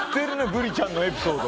ブリちゃんのエピソード。